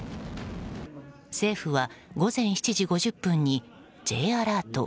政府は午前７時５０分にＪアラート